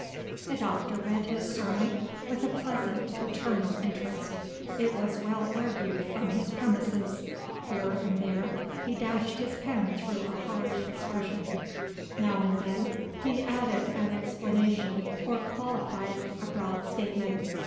The Doctor read his sermon with a pleasant, paternal interest: it was well argued from his premises. Here and there he dashed his pen through a harsh expression. Now and then he added an explanation or qualified abroad statement.